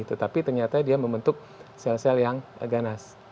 tetapi ternyata dia membentuk sel sel yang ganas